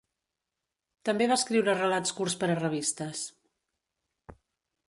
També va escriure relats curts per a revistes.